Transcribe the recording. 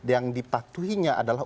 yang dipatuhinya adalah